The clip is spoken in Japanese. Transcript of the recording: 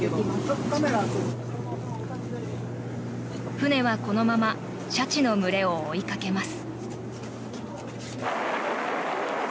船はこのままシャチの群れを追いかけます。